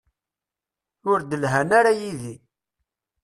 Ur d-lhan ara yid-i.